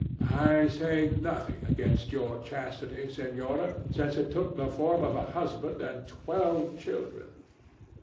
DON JUAN. I say nothing against your chastity, Senora, since it took the form of a husband and twelve children.